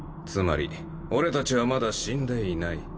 つまり俺たちはまだ死んでいない。